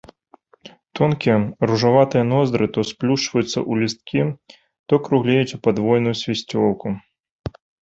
Тонкія ружаватыя ноздры то сплюшчваюцца ў лісткі, то круглеюць у падвойную свісцёлку.